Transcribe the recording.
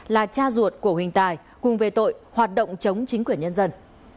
là cha ruột của huỳnh tài cùng về tội hoạt động chống chính quyền nhân dân